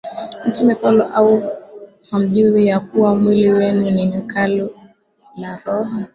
Mtume Paulo Au hamjui ya kuwa mwili wenu ni hekalu la Roho